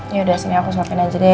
yaudah sini aku suapin aja deh